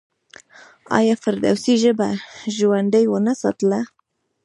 آیا فردوسي ژبه ژوندۍ ونه ساتله؟